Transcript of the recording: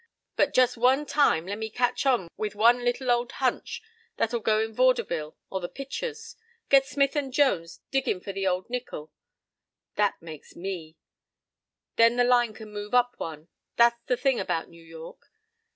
But just one time le' me catch on with one little old hunch that'll go in vaudeville or the pi'tures—get Smith and Jones diggin' for the old nickel.—That makes me. Then the line can move up one. That's the thing about New York.